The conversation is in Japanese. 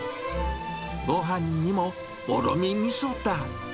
ごはんにも、もろみみそだ。